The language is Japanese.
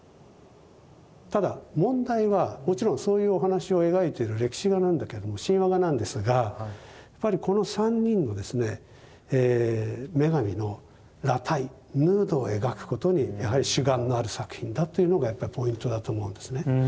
ただ問題はもちろんそういうお話を描いている歴史画なんだけれども神話画なんですがやっぱりこの３人の女神の裸体ヌードを描くことに主眼のある作品だというのがやっぱりポイントだと思うんですね。